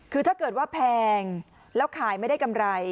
คือถ้าเกิดว่าแพงแล้วขายไม่ได้กำไร